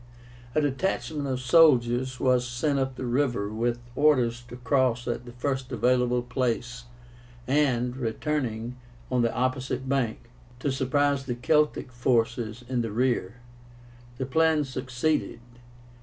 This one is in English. A detachment of soldiers was sent up the river with orders to cross at the first available place, and, returning on the opposite bank, to surprise the Celtic forces in the rear. The plan succeeded.